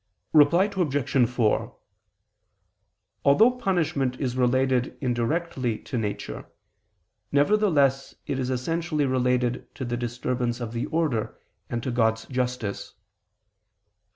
Reply Obj. 4: Although punishment is related indirectly to nature, nevertheless it is essentially related to the disturbance of the order, and to God's justice.